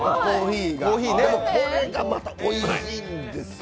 でもこれがまたおいしいんですよ。